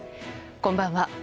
こんばんは。